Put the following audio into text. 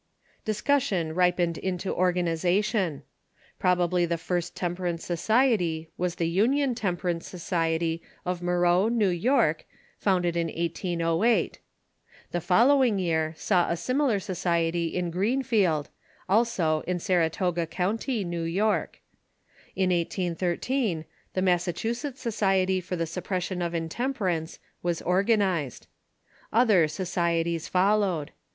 Discussion ripened into organization. Probably the first temperance society was the Union Temperance Society of Moreau, Xew York, founded in 1808. The follow Orqanfzatio'n "^S J^^^ ^^^^'^ similar society in Greenfield, also iu Saratoga County, New York. In 1813, the Massa chusetts Society for the Suppression of Intem])erance was organized. Other societies followed.